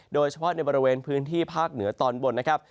โดยเฉพาะในบริเวณพื้นที่ภาคเหนือตอนบนนะครับ